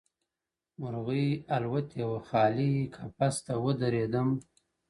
مرغۍ الوتې وه؛ خالي قفس ته ودرېدم ؛